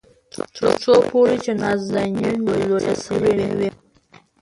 تر څو پورې چې نازنين لويه شوې نه وي.